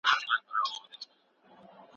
اقتصادي حالت ښه سوی و.